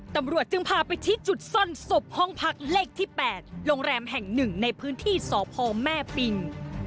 ตำรวจจึงพาไปที่จุดซ่อนศพห้องพักเลขที่๘โรงแรมแห่งหนึ่งในพื้นที่สพแม่ปิง